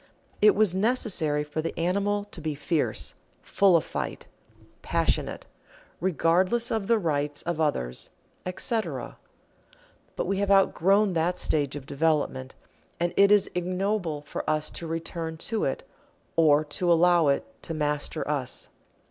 It was necessary for the animal to be fierce, full of fight, passionate, regardless of the rights of others, etc., but we have outgrown that stage of development, and it is ignoble for us to return to it, or to allow it to master us.